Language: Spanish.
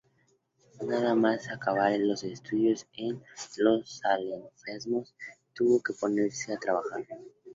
Nada más acabar los estudios, en los Salesianos, tuvo que ponerse a trabajar.